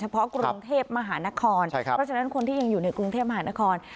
เพราะกรุงเทพมหานครเพราะฉะนั้นคนที่ยังอยู่ในกรุงเทพมหานคร